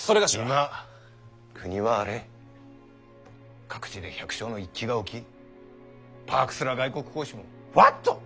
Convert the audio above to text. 今国は荒れ各地で百姓の一揆が起きパークスら外国公使も「ホワット？